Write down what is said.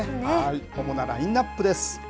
主なラインナップです。